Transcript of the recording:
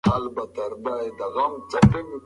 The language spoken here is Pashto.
زده کړه باید هیڅکله بوج نه وي.